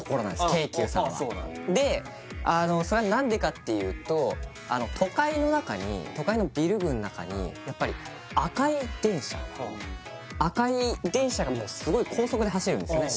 京急さんはでそれは何でかっていうと都会の中に都会のビル群の中にやっぱり赤い電車赤い電車がもうすごい高速で走るんですね